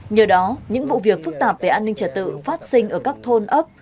nhờ đó những vụ việc phức tạp về an ninh trật tự phát sinh ở các thôn ấp